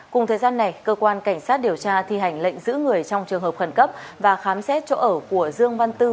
cùng thời gian này cơ quan cảnh sát điều tra thi hành lệnh giữ người trong trường hợp khẩn cấp và khám xét chỗ ở của dương văn tư